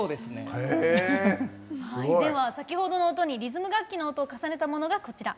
はいでは先ほどの音にリズム楽器の音を重ねたものがこちら。